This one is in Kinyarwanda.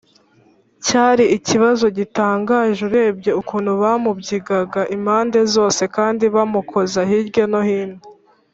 cyari ikibazo gitangaje urebye ukuntu bamubyigaga impande zose kandi bamukoza hirya no hino